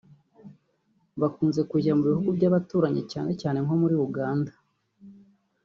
bakunze kujya mu bihugu by’abaturanyi cyane nko muri Uganda